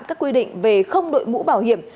các quy định về không đội mũ bảo hiểm